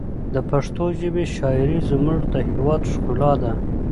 د پښتو ژبې شاعري زموږ د هېواد ښکلا ده.